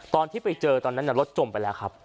ตอนที่ไปเจอรถจมไปแล้ว